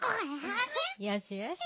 よしよし。